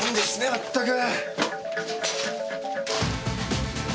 まったく。